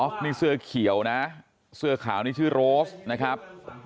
นี่เสื้อเขียวนะเสื้อขาวนี่ชื่อโรสนะครับ